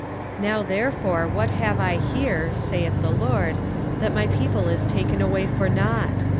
23:052:005 Now therefore, what have I here, saith the LORD, that my people is taken away for nought?